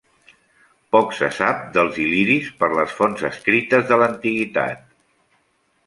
Poc se sap dels il·liris per les fonts escrites de l'antiguitat.